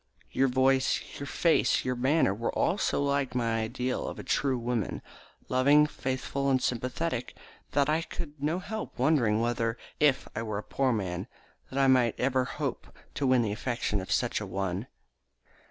Your voice, your face, your manner, were all so like my ideal of a true woman, loving, faithful, and sympathetic, that I could not help wondering whether, if I were a poor man, I might ever hope to win the affection of such a one."